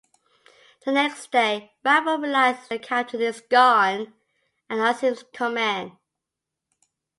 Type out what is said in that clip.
The next day, Radford realizes the captain is gone and assumes command.